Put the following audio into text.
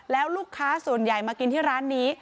แล้วลูกค้าส่วนใหญ่มากินที่ร้านนี้